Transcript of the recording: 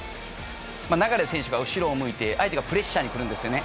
流選手が後ろを向いて相手がプレッシャーに来るんですね。